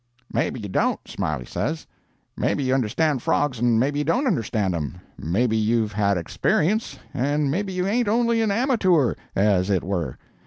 "'Maybe you don't,' Smiley says. 'Maybe you understand frogs and maybe you don't understand 'em; maybe you've had experience, and maybe you ain't only a amature, as it were.